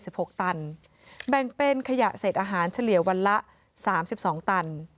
นะคะรับแบ่งเป็นขยะเสร็จอาหารเฉลี่ยวนะ๓๒ว